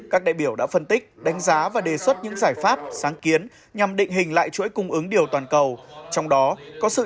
các đại biểu đã phân tích đánh giá và đề xuất những giải pháp sáng kiến nhằm định hình lại chuỗi cung ứng điều toàn cầu